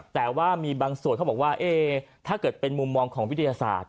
แต่ว่ามีบางส่วนเขาบอกว่าถ้าเกิดเป็นมุมมองของวิทยาศาสตร์